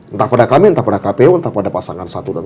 entah pada kami entah pada kpu entah pada pasangan satu dan dua